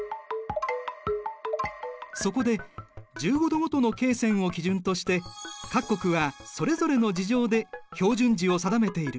そこで１５度ごとの経線を基準として各国はそれぞれの事情で標準時を定めている。